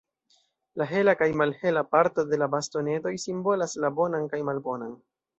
La hela kaj malhela parto de la bastonetoj simbolas la bonan kaj malbonan.